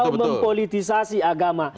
atau mempolitisasi agama